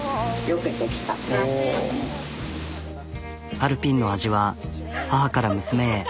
ハルピンの味は母から娘へ。